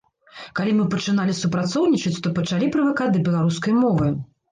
Калі мы пачыналі супрацоўнічаць, то пачалі прывыкаць да беларускай мовы.